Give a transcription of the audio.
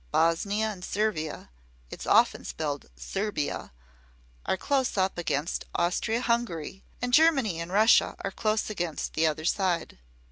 Bosnia and Servia (it's often spelled Serbia) are close up against Austria Hungary, and Germany and Russia are close against the other side.